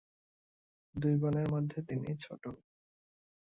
দুই বোনের মধ্যে তিনি ছোট।